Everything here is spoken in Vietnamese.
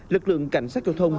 lực lượng cảnh sát giao thông